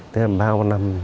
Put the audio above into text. tức là bao năm